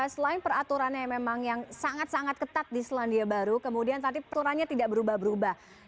selain peraturannya yang memang yang sangat sangat ketat di selandia baru kemudian tadi peraturannya tidak berubah berubah